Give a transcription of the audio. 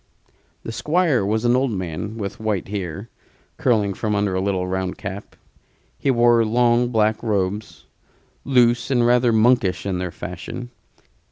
The Squire was an old man, with white hair curling from under a little round cap. He wore long black robes, loose and rather monkish in their fashion.